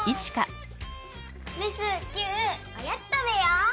レスキューおやつ食べよう！